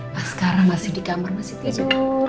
mas karan masih di kamar masih tidur